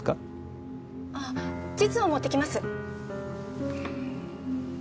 あ地図を持ってきます。